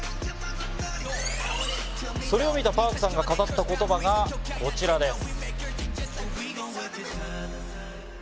それを見た Ｐａｒｋ さんが語った言葉がこちらです。